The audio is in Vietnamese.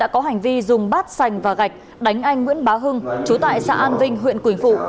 có hành vi dùng bát sành và gạch đánh anh nguyễn bá hưng chú tại xã an vinh huyện quỳnh phụ